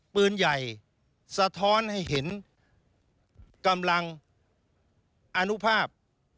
ปืนใหญ่สะท้อนให้เห็นกำลังอนุภาพ